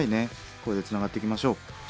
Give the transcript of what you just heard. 声でつながっていきましょう。